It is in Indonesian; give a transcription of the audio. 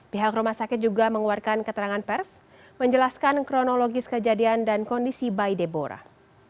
pihak rumah sakit juga mengeluarkan keterangan pers menjelaskan kronologis kejadian dan kondisi bayi deborah